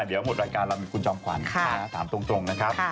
เดี๋ยวหมดรายการเรามีคุณจอมขวัญถามตรงนะครับ